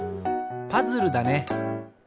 パズルだね。